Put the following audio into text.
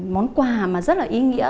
món quà mà rất là ý nghĩa